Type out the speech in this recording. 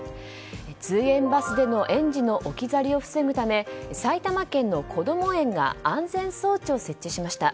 通園バスでの園児の置き去りを防ぐため埼玉県のこども園が安全装置を設置しました。